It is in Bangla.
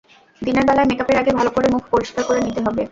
দিনের বেলায় মেকআপের আগে ভালো করে মুখ পরিষ্কার করে নিতে হবে।